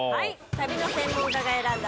旅の専門家が選んだ！